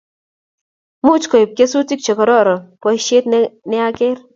Much koibu kesutik che kororon boisiet ne nag'er